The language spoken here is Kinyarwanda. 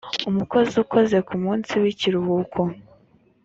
umukozi ukoze ku munsi w ikiruhuko